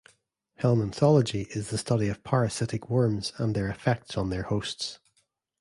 Helminthology is the study of parasitic worms and their effects on their hosts.